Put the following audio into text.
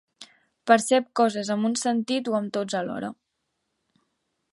Percep coses amb un sentit o amb tots alhora.